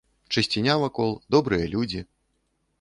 Чысціня вакол, добрыя людзі!